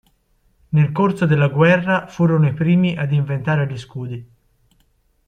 Nel corso della guerra furono i primi a inventare gli scudi.